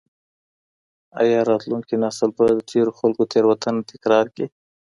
ایا راتلونکی نسل به د تېرو خلګو تېروتنې تکرار کړي؟